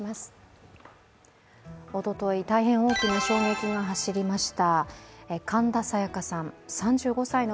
おととい、大変大きな衝撃が走りました。